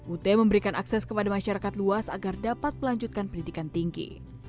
ut memberikan akses kepada masyarakat luas agar dapat melanjutkan pendidikan tinggi